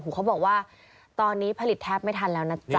เขาบอกว่าตอนนี้ผลิตแทบไม่ทันแล้วนะจ๊ะ